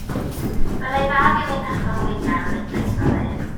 Byddai'n dda dilyn person blaengar a medrus fel ef.